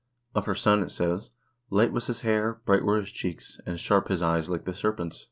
Of her son it says : Light was his hair, bright were his cheeks, and sharp his eyes like the serpent's.